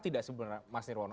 tidak sebenarnya mas nirwono